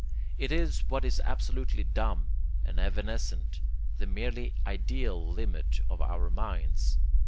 It is what is absolutely dumb and evanescent, the merely ideal limit of our minds.